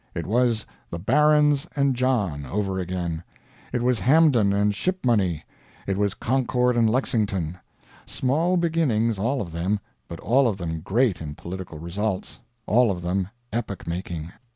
It was the Barons and John, over again; it was Hampden and Ship Money; it was Concord and Lexington; small beginnings, all of them, but all of them great in political results, all of them epoch making.